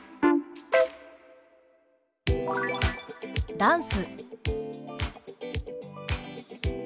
「ダンス」。